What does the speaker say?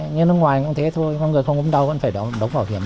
nhưng ở ngoài cũng thế thôi con người không ốm đau vẫn phải đóng bảo hiểm